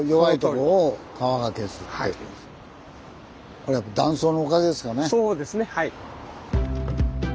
これはそうですねはい。